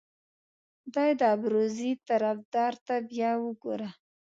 دې د ابروزي طرفدار ته بیا وګوره.